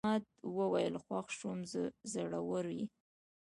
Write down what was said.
احمد وویل خوښ شوم زړور یې.